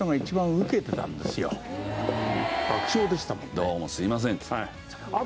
「どうもすいません」っつって。